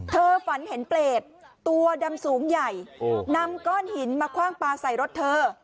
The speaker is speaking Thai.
ฝันเห็นเปรตตัวดำสูงใหญ่นำก้อนหินมาคว่างปลาใส่รถเธอ